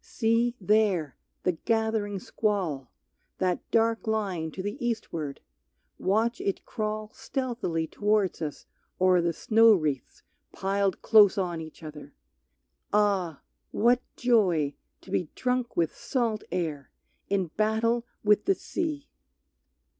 See, there, the gathering squall, That dark line to the eastward, watch it crawl Stealthily towards us o'er the snow wreaths piled Close on each other! Ah! what joy to be Drunk with salt air, in battle with the sea!